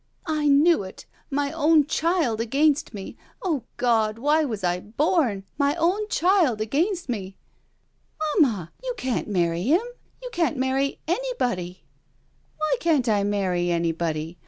"I knew it. My own child against me. O God! Why was I bom? My own child against me!" "Mamma — you can't marry him. You can't marry — ^anybody." "Why can't I marry anybody?